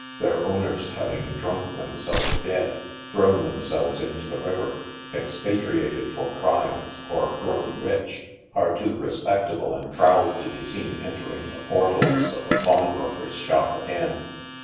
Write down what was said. Their owners having drunk themselves dead, thrown themselves into the river, expatriated for crimes or grown rich, are too respectable and proud to be seen entering the portals of a pawn broker's shop again.